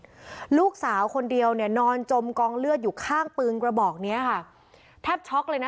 ลูกสาวคนเดียวเนี่ยนอนจมกองเลือดอยู่ข้างปืนกระบอกเนี้ยค่ะแทบช็อกเลยนะ